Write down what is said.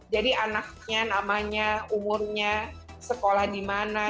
jadi anaknya namanya umurnya sekolah dimana